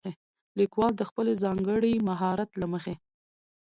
ليکوال د خپل ځانګړي مهارت له مخې